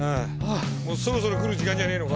もうそろそろ来る時間じゃねぇのか？